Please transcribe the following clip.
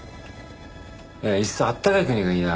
いっそあったかい国がいいな。